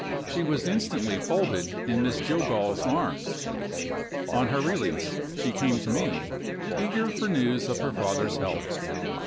She was instantly folded in Miss Jillgall's arms. On her release, she came to me, eager for news of her father's health.